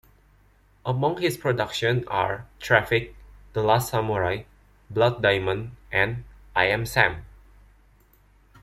Among his productions are "Traffic", "The Last Samurai", "Blood Diamond", and "I Am Sam".